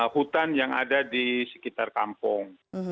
hutan yang ada di sekitar kampung